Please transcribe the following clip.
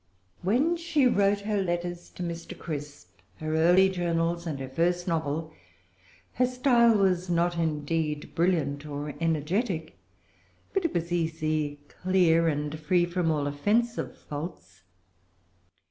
When she wrote her letters to Mr. Crisp, her early journals, and her first novel, her style was not indeed brilliant or energetic; but it was easy, clear, and free from all offensive faults.